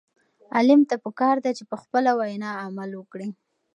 عالم ته پکار ده چې په خپله وینا عمل وکړي.